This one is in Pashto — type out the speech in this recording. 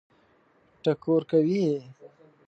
ټکور کوي یې.